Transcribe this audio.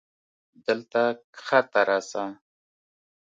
دلته کښته راسه.